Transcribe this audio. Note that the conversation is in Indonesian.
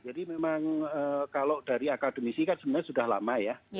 jadi memang kalau dari akademisi kan sebenarnya sudah lama ya